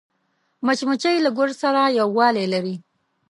مچمچۍ له ګل سره یووالی لري